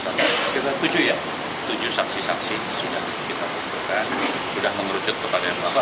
tujuh saksi saksi sudah kita kumpulkan sudah mengerucut kepada yang berapa